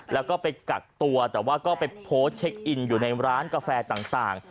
แล้วก็ไปกักตัวแต่ว่าก็ไปโพสต์เช็คอินอยู่ในร้านกาแฟต่าง